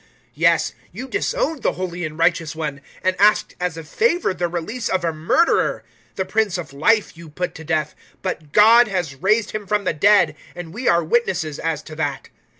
003:014 Yes, you disowned the holy and righteous One, and asked as a favour the release of a murderer. 003:015 The Prince of Life you put to death; but God has raised Him from the dead, and we are witnesses as to that.